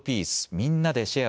みんなでシェア！